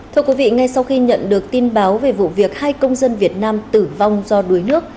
thưa quý vị ngay sau khi nhận được tin báo về vụ việc hai công dân việt nam tử vong do đuối nước